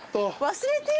忘れてよ